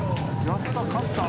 やった勝った。